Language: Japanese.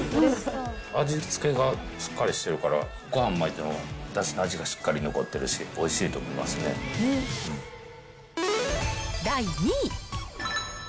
味付けがしっかりしてるから、ごはん巻いてもだしの味がしっかり残ってるし、おいしいと思いま第２位。